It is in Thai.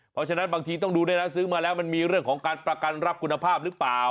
เพราะฉะนั้นบางทีต้องดูด้วยนะซื้อมาแล้วมันมีเรื่องของการประกันรับคุณภาพหรือเปล่า